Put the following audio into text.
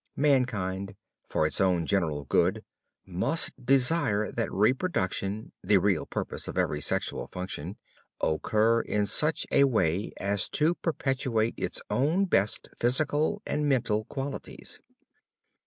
Mankind, for its own general good, must desire that reproduction the real purpose of every sexual function occur in such a way as to perpetuate its own best physical and mental qualities.